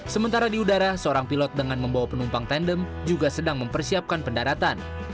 sementara di udara seorang pilot dengan membawa penumpang tandem juga sedang mempersiapkan pendaratan